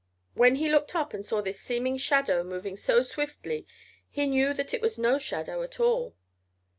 When he looked up and saw this seeming shadow moving so swiftly he knew that it was no shadow at all.